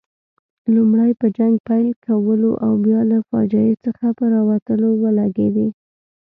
لومړی په جنګ پیل کولو او بیا له فاجعې څخه په راوتلو ولګېدې.